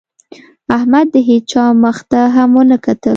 احمد د هېڅا مخ ته هم ونه کتل.